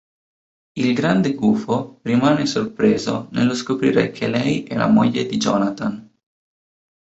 Il Grande Gufo rimane sorpreso nello scoprire che lei è la moglie di Jonathan.